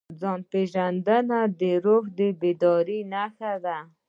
ځان پېژندنه د روح د بیدارۍ نښه ده.